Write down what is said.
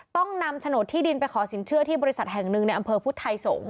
ต้องนำโฉนดที่ดินไปขอสินเชื่อที่บริษัทแห่งหนึ่งในอำเภอพุทธไทยสงศ